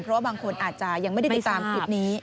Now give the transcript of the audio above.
เพราะว่าบางคนอาจจะยังไม่ได้ติดตามคลิปนี้